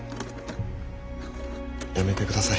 やめてください